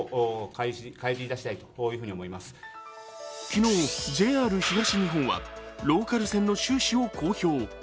昨日ＪＲ東日本はローカル線の収支を公表。